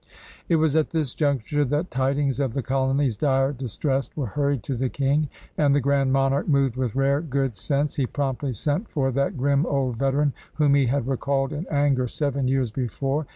It was at this juncture that tidings of the colony's dire distress were hurried to the King, and the Grand Monarch moved with rare good sense. He promptly sent for that grim old vet eran whom he had recalled in anger seven years before.